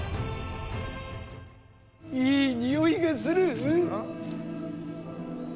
いい匂いがする。